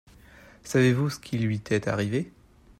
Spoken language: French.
Savez-vous ce qui lui est arrivé ?